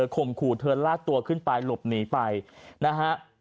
ข่มขู่เธอลากตัวขึ้นไปหลบหนีไปนะฮะ